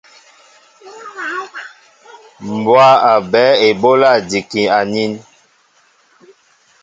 Mbwá a ɓɛέ eɓólá njikin.